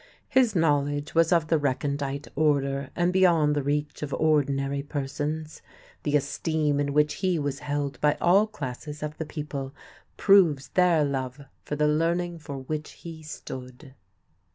His knowledge was of the recondite order and beyond the reach of ordinary persons. The esteem in which he was held by all classes of the people proves their love for the learning for which he stood.